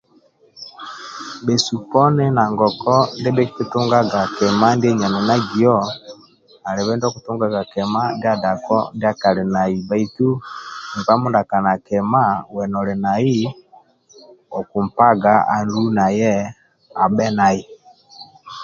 Bhesu poni nagoku dibhekikitungaga kima ndia aenenagio alibe ndio okutungaga kima ndia dako ndia kali nai bbaitu nkpa mindia kali na kima uwe noli nai okumpaga andulu naye abhe nai